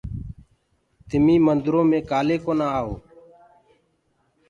تمي مندرو مي ڪآلي ڪونآ آئو؟